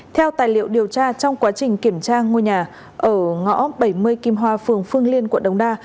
theo tài liệu điều tra trong quá trình kiểm tra ngôi nhà ở ngõ bảy mươi kim hoa phường phương liên quận đống đa